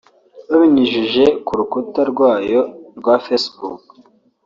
babinyujije ku rukuta rwaryo rwa Facebook